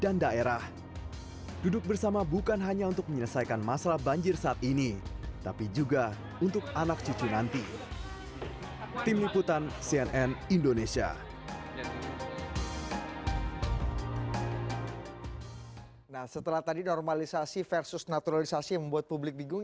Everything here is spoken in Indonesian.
nah setelah tadi normalisasi versus naturalisasi yang membuat publik bingung